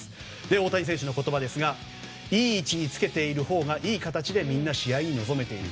大谷選手の言葉でいい位置につけているほうがいい形でみんな試合に臨めている。